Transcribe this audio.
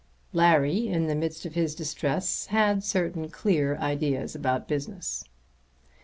Larry in the midst of his distress had certain clear ideas about business.